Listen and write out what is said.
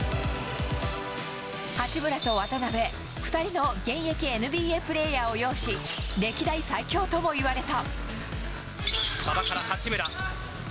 八村と渡邊、２人の現役ＮＢＡプレーヤーを擁し歴代最強ともいわれた。